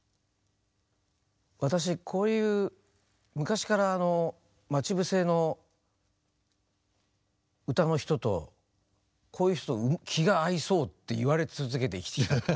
私こういう昔から「まちぶせ」の歌の人とこういう人と気が合いそうって言われ続けてきた。